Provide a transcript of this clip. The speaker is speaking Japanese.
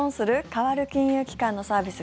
変わる金融機関のサービス